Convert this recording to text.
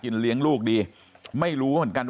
กระดิ่งเสียงเรียกว่าเด็กน้อยจุดประดิ่ง